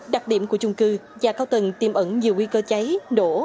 đặc điểm của chung cư nhà cao tầng tiêm ẩn nhiều nguy cơ cháy nổ